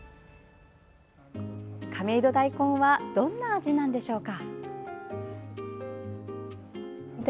亀戸だいこんはどんな味なんでしょうか？